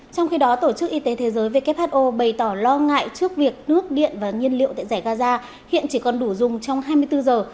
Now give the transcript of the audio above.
trong khi đó tổ chức y tế thế giới who bày tỏ lo ngại trước việc nước điện và nhiên liệu tại giải gaza hiện chỉ còn đủ dùng trong hai mươi bốn giờ